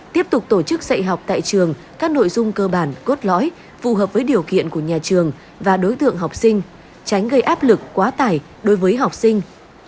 tiếp tục tổ chức dạy học tại trường các nội dung cơ bản cốt lõi phù hợp với điều kiện của nhà trường và đối tượng học sinh tránh gây áp lực quá tải đối với học sinh